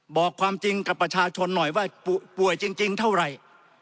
บอกความจริงกับประชาชนหน่อยว่าป่วยจริงเท่าไหร่